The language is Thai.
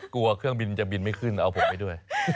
เครื่องบินจะบินไม่ขึ้นเอาผมไปด้วย